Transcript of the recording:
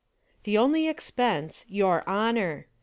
The only expense— your honor.